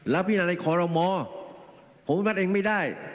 แล้วพี่นาดิขอรมมอผมไม่พัดเองไม่ได้